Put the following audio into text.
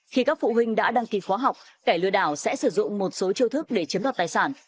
khi các phụ huynh đã đăng ký khóa học kẻ lừa đảo sẽ sử dụng một số chiêu thức để chiếm đoạt tài sản